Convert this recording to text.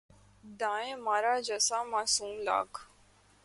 دائیں مارا جسا معصوم لاگ